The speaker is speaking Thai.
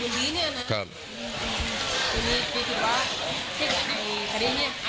ใช่ครับ